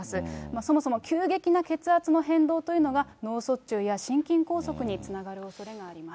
そもそも急激な血圧の変動というのは、脳卒中や心筋梗塞につながるおそれがあります。